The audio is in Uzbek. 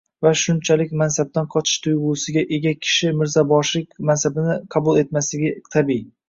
va shunchalik mansabdan qochish tuyg’usiga ega kishi mirzoboshilik mansabini qabul etmasligi tabiiy.